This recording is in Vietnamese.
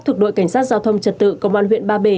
thuộc đội cảnh sát giao thông trật tự công an huyện ba bể